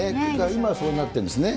今はそうなってるんですね。